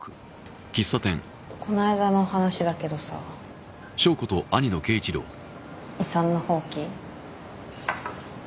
こないだの話だけどさ遺産の放棄？